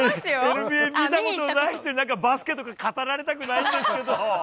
ＮＢＡ、見たことない人に、バスケとか語られたくないんですけど。